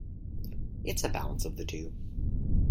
It's a balance of the two.